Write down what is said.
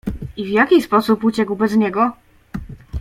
"I w jaki sposób uciekł bez niego?"